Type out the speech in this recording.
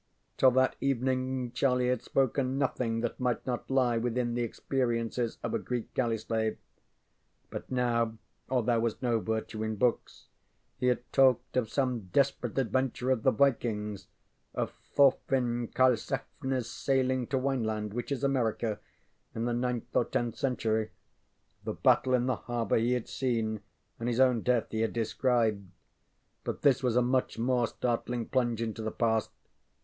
Till that evening Charlie had spoken nothing that might not lie within the experiences of a Greek galley slave. But now, or there was no virtue in books, he had talked of some desperate adventure of the Vikings, of Thorfin KarlsefneŌĆÖs sailing to Wineland, which is America, in the ninth or tenth century. The battle in the harbor he had seen; and his own death he had described. But this was a much more startling plunge into the past.